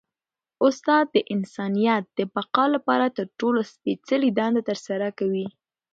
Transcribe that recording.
استاد د انسانیت د بقا لپاره تر ټولو سپيڅلي دنده ترسره کوي.